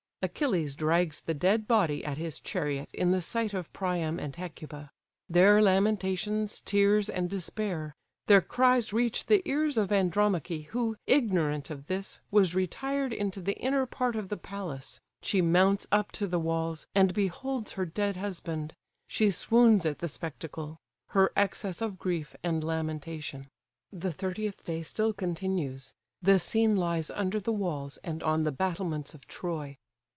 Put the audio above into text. Achilles drags the dead body at his chariot in the sight of Priam and Hecuba. Their lamentations, tears, and despair. Their cries reach the ears of Andromache, who, ignorant of this, was retired into the inner part of the palace: she mounts up to the walls, and beholds her dead husband. She swoons at the spectacle. Her excess of grief and lamentation. The thirtieth day still continues. The scene lies under the walls, and on the battlements of Troy.